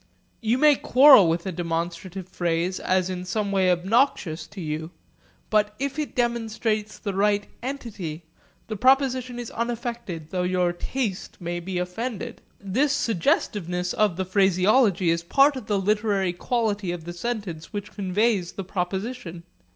You may quarrel with a demonstrative phrase as in some way obnoxious to you; but if it demonstrates the right entity, the proposition is unaffected though your taste may be offended. This suggestiveness of the phraseology is part of the literary quality of the sentence which conveys the proposition.